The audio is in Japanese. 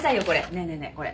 ねえねえねえこれ。